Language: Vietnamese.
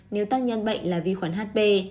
nếu tác nhân bệnh là vi khuẩn hp